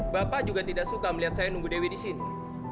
bapak juga tidak suka melihat saya nunggu dewi di sini